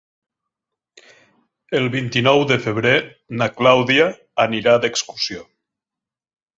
El vint-i-nou de febrer na Clàudia anirà d'excursió.